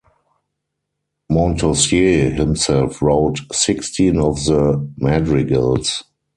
Montausier himself wrote sixteen of the madrigals.